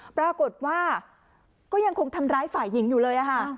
ปรากฏว่าก็ยังคงทำร้ายฝ่ายหญิงอยู่เลย